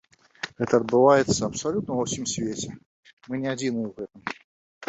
Гэта адбываецца абсалютна ва ўсім свеце, мы не адзіныя ў гэтым.